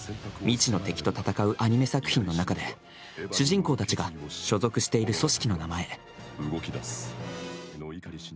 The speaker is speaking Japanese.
未知の敵と戦うアニメ作品の中で主人公たちが所属している組織の名前。